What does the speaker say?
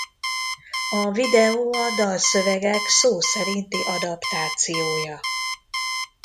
A videó a dalszövegek szó szerinti adaptációja.